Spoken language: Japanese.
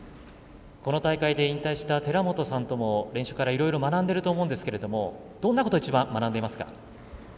この大会で引退した寺本さんとも練習からいろいろ学んでいると思うんですが、どんなことを学んでいますか？